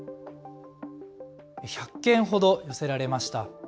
１００件ほど寄せられました。